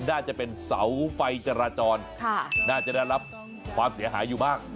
น่าจะเป็นเสาไฟจราจรน่าจะได้รับความเสียหายอยู่บ้าง